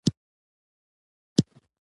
د کور مخ ته ګلان ښکلي غوړیدلي وو.